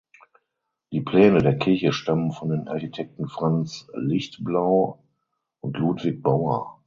Die Pläne der Kirche stammen von den Architekten Franz Lichtblau und Ludwig Bauer.